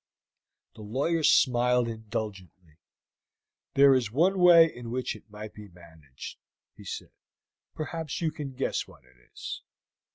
The lawyer smiled indulgently. "There is one way in which it might be managed," he said. "Perhaps you can guess what it is?"